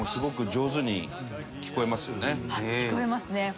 聴こえますね。